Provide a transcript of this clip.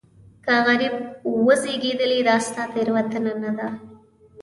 که غریب وزېږېدلې دا ستا تېروتنه نه ده.